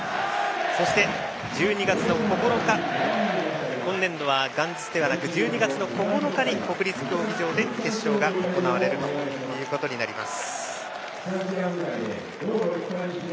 そして今年度は元日ではなく１２月の９日に国立競技場で決勝が行われることになります。